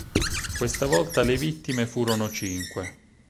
Questa volta le vittime furono cinque.